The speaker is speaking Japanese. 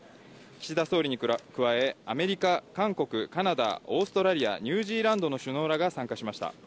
岸田総理に加え、アメリカ、韓国、カナダ、オーストラリア、ニュージーランドの首脳らが参加しました。